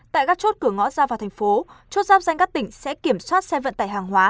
tại các chốt cửa ngõ ra vào thành phố chốt giáp danh các tỉnh sẽ kiểm soát xe vận tải hàng hóa